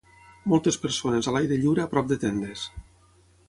Moltes persones a l'aire lliure a prop de tendes.